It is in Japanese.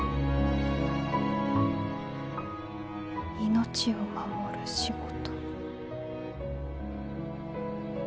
「命を守る仕事」。